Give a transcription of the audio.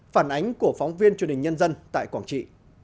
phản ánh của phóng viên truyền hình nhân dân tại quảng trị